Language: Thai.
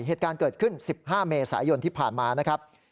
เหตุการณ์เกิดขึ้น๑๕เมษายนที่ผ่านมานะครับ